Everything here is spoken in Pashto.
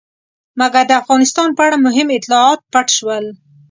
مګر د افغانستان په اړه مهم اطلاعات پټ شول.